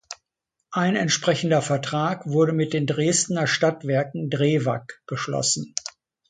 Ein entsprechender Vertrag wurde mit den Dresdner Stadtwerken Drewag geschlossen.